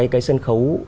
cái sân khấu